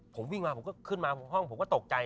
ผมวิ่งมาผมก็ขึ้นมาห้องผมก็ตกใจ